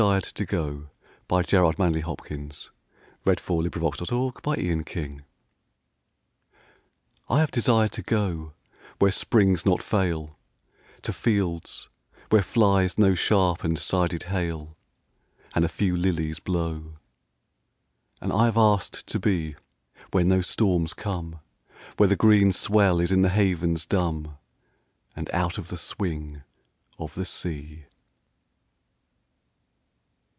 Ralph Hodgson 3 &&> *M*Y* o ^? 5* 4? 116 R. A! HOPWOOD I HAVE DESIRED TO GO I HAVE desired to go Where springs not fail, To fields where flies no sharp and sided hail, And a few lilies blow. And I have asked to be Where no storms come, Where the green swell is in the havens dumb, And out of the swing of the sea.